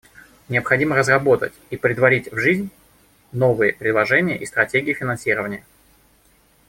Необходимо разработать и претворить в жизнь новые предложения и стратегии финансирования.